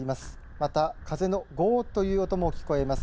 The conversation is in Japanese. また風のごうという音も聞こえます。